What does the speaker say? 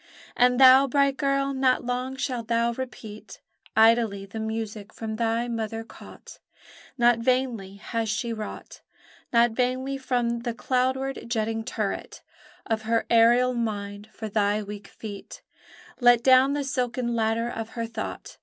And thou, bright girl, not long shalt thou repeat Idly the music from thy mother caught; Not vainly has she wrought, Not vainly from the cloudward jetting turret Of her aerial mind, for thy weak feet, Let down the silken ladder of her thought.